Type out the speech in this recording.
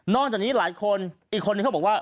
จากนี้หลายคนอีกคนนึงเขาบอกว่า